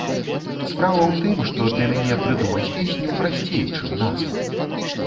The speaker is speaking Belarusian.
Справа ў тым, што для мяне прыдумаць песню прасцей, чым назву.